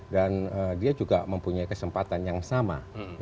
dan dia juga mempunyai kesempatan yang sama